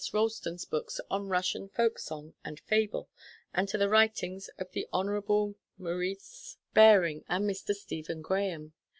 Ralston's books on Russian folk song and fable; and to the writings of the Hon. Maurice Baring and Mr. Stephen Graham.